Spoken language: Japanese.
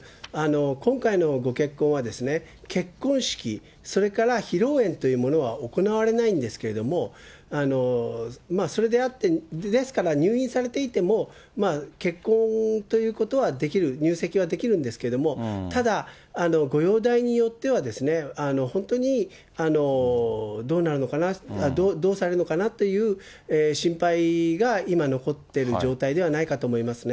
今回のご結婚は、結婚式、それから披露宴というものは行われないんですけれども、それであって、ですから入院されていても、結婚ということはできる、入籍はできるんですけれども、ただ、ご容体によってはですね、本当にどうなるのかな、どうされるのかなっていう心配が、今残っている状態ではないかと思いますね。